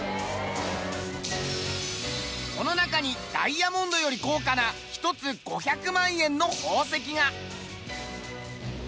この中にダイヤモンドより高価な１つ５００万円の宝石が。